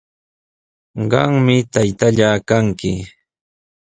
Qami taytallaa kanki.